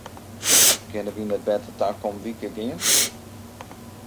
Kinne wy net better takom wike gean?